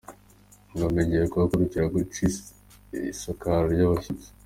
Ngoma igiye guhagurukira guca isakaro ry’ibyatsi